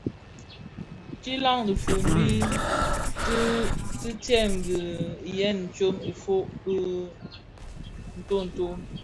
Dhilaň dhifombi dintsem di yin tsom ifog dhi ntonto.